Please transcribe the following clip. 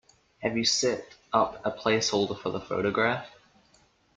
Have you set up a placeholder for the photograph?